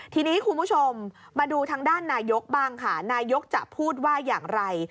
ทีนี้คุณผู้ชมมาดูทางด้านนายกบ้างค่ะนายกจะพูดว่าอย่างไร